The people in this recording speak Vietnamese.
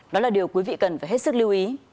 đó là điều quý vị cần phải hết sức lưu ý